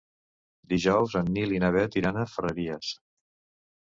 Dijous en Nil i na Bet iran a Ferreries.